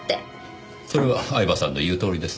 それは饗庭さんの言うとおりですね。